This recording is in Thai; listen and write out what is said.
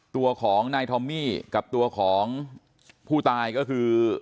ตัวของนายทอมมี่กับตัวของผู้ตายก็คือ